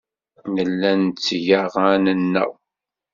Nella netteg aɣan-nneɣ.